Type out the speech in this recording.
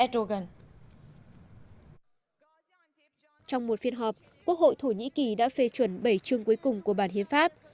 trong một phiên họp quốc hội thổ nhĩ kỳ đã phê chuẩn bảy chương cuối cùng của bản hiến pháp